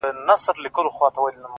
• شرمنده دي مشران وي ستا كردار ته ,